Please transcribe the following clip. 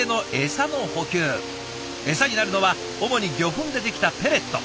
エサになるのは主に魚粉で出来たペレット。